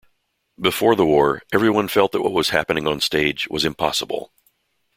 "Before the war, everyone felt that what was happening onstage was impossible.